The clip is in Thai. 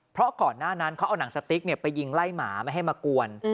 เพราะก่อนหน้านั้นเขาเอาหนังสติ๊กไปยิงไล่หมาไม่ให้มากวน